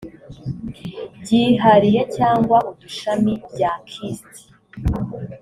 byihariye cyangwa udushami bya kist